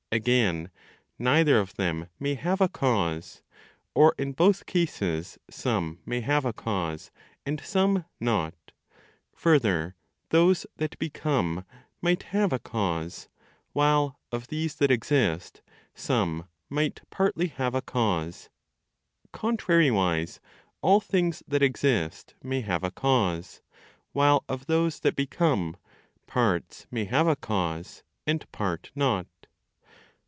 Again, neither of them may have a cause. Or, in both cases, some may have a cause, and some not. Further, those that become might have a cause, while, of these that exist, some might partly have a cause. Contrariwise, all things that exist may have a cause, while of those that become, parts may have a cause, and part not.